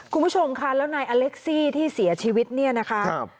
คุณผู้ชมค่ะแล้วนายอเล็กซี่ที่เสียชีวิตเนี่ยนะคะ